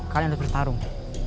kalian harus bertarung